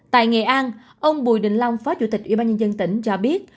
tại nghệ an ông bùi đình long phó chủ tịch ủy ban nhân dân tỉnh cho biết